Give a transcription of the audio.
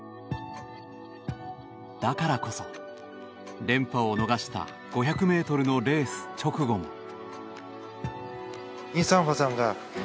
だからこそ、連覇を逃した５００ｍのレース直後も。